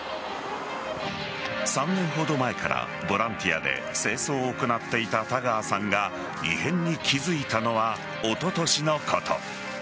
３年ほど前からボランティアで清掃を行っていた田川さんが異変に気付いたのはおととしのこと。